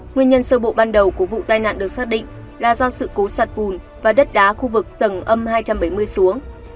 nguyên nhân sơ bộ ban đầu của vụ tai nạn được xác định là do sự cố sạt bùn và đất đá khu vực tầng âm hai trăm bảy mươi xuống